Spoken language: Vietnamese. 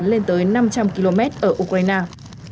nga đã lên tới năm trăm linh km ở ukraine